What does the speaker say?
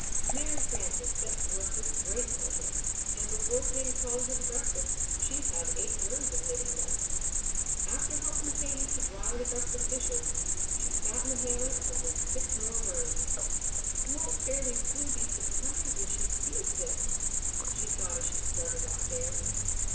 Mary Frances set to work with great pleasure, and before Katie called her to breakfast she had eight rows of knitting done. After helping Katie to dry the breakfast dishes, she sat in the hammock and did six more Vr^n<p|T^ rows. t ^ jL'T" "Won't Fairly Flew be surprised when she sees this!" she thought as she started upstairs.